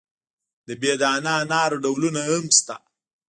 د بې دانه انارو ډولونه هم شته.